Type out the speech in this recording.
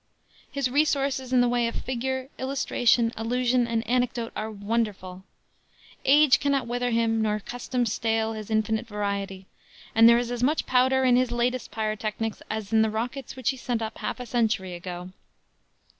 His resources in the way of figure, illustration, allusion and anecdote are wonderful. Age cannot wither him nor custom stale his infinite variety, and there is as much powder in his latest pyrotechnics as in the rockets which he sent up half a century ago.